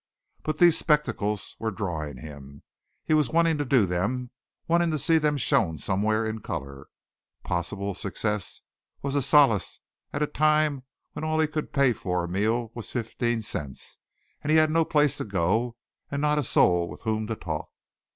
But these spectacles were drawing him. He was wanting to do them wanting to see them shown somewhere in color. Possible success was a solace at a time when all he could pay for a meal was fifteen cents and he had no place to go and not a soul with whom to talk.